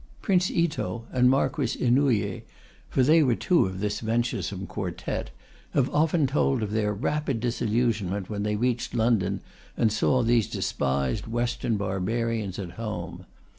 Prince Ito and Marquis Inouye for they were two of this venturesome quartette have often told of their rapid disillusionment when they reached London, and saw these despised Western barbarians at home.